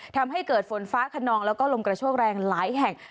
ทำให้เกิดฝนฟ้าขนองแล้วก็ลมกระโชคแรงหลายแห่ง